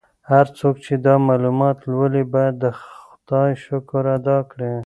هر څوک چې دا معلومات لولي باید د خدای شکر ادا کړي.